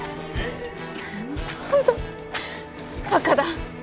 ホントバカだ。